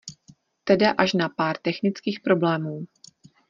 Teda až na pár technických problémů.